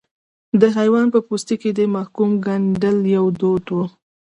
د حیوان په پوستکي کې د محکوم ګنډل یو دود و.